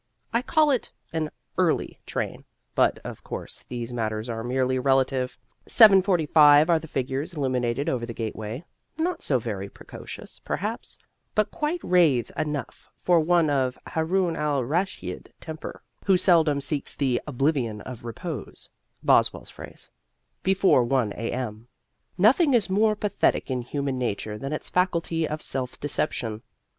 I call it an "early" train, but, of course, these matters are merely relative; 7:45 are the figures illuminated over the gateway not so very precocious, perhaps; but quite rathe enough for one of Haroun al Raschid temper, who seldom seeks the "oblivion of repose" (Boswell's phrase) before 1 A. M. Nothing is more pathetic in human nature than its faculty of self deception.